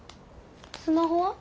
スマホは？